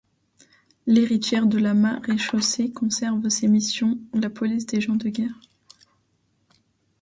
L’héritière de la maréchaussée conserve dans ses missions la police des gens de guerre.